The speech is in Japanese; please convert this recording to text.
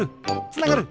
つながる！